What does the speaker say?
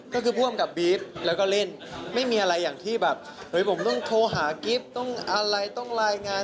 ก็คือผู้อำกับบี๊ดแล้วก็เล่นไม่มีอะไรอย่างที่แบบเฮ้ยผมต้องโทรหากิฟต์ต้องอะไรต้องรายงาน